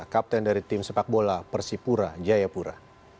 kapten dari tim sepak bola persipura jayapura